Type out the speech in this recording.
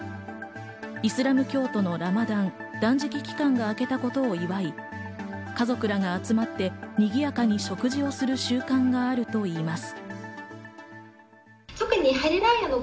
イスラム教徒のラマダン・断食期間が明けたことを祝い、家族らが集まってにぎやかに食事をする習慣があるといいます。